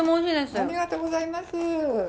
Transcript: ありがとうございます！